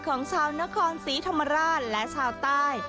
ของชาวนครศรีธรรมราชและชาวใต้